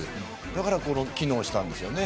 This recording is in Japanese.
だから機能したんですよね。